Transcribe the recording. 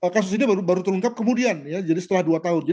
kasus ini baru terlengkap kemudian setelah dua tahun